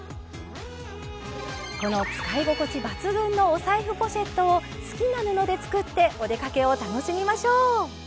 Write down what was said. この使い心地抜群のお財布ポシェットを好きな布で作ってお出かけを楽しみましょう。